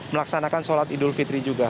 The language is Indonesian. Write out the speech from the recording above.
melaksanakan sholat idul fitri juga